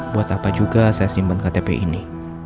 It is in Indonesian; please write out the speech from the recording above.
buat apa juga saya simpan ktp ini